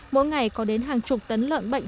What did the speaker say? mỗi ngày có đến hàng chục tấn lợn bệnh